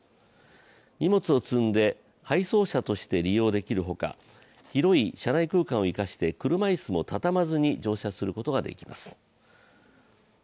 荷物を積んで配送車として利用できるほか、広い車内空間を生かして車椅子も畳まずに乗車することができます。